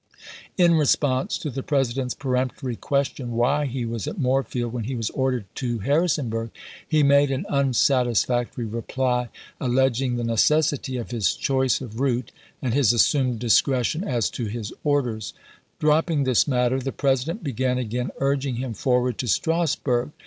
In response to the President's I^eremptory question why he was at Moorefield when he was ordered to Harrisonburg, he made an " STONEWALL " JACKSON'S VALLEY CAMPAIGN 409 unsatisfactory reply, alleging the necessity of his choice of route, and his assumed discretion as to his orders. Dropping this matter, the President began again urging him forward to Strasburg.